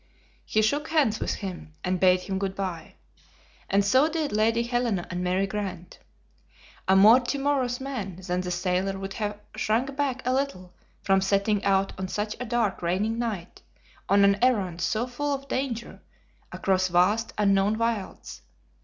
He shook hands with him, and bade him good by; and so did Lady Helena and Mary Grant. A more timorous man than the sailor would have shrunk back a little from setting out on such a dark, raining night on an errand so full of danger, across vast unknown wilds.